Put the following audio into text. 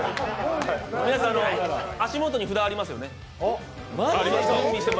皆さん、足元に札がありますよね？